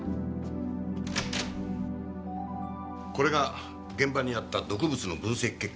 これが現場にあった毒物の分析結果。